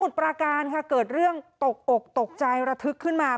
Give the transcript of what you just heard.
ประการค่ะเกิดเรื่องตกอกตกใจระทึกขึ้นมา